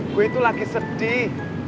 gue itu lagi sedih